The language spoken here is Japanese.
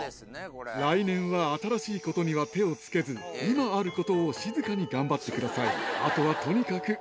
来年は新しいことには手をつけず、今あることを静かに頑張ってください。